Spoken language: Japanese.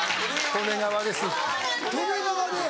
利根川です。